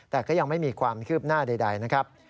แต่ก็ยังไม่มีความคืบหน้าใดนะครับ